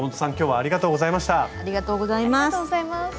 ありがとうございます。